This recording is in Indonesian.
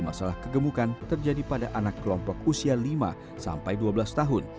masalah kegemukan terjadi pada anak kelompok usia lima sampai dua belas tahun